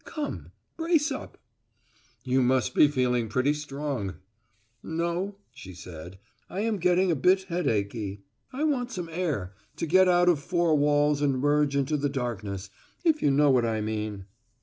Come, brace up." "You must be feeling pretty strong." "No," she said, "I am getting a bit headachy, I want some air, to get out of four walls and merge into the darkness if you know what I mean."